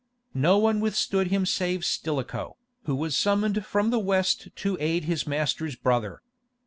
No one withstood him save Stilicho, who was summoned from the West to aid his master's brother.